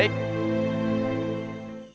baik baik baik